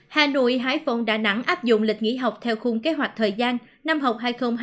hà nội hải phòng đà nẵng áp dụng lịch nghỉ học theo khung kế hoạch thời gian năm học hai nghìn hai mươi hai nghìn hai mươi một